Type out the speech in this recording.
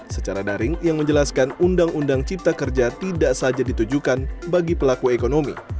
secara daring yang menjelaskan undang undang cipta kerja tidak saja ditujukan bagi pelaku ekonomi